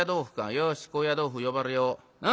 よし高野豆腐呼ばれよう。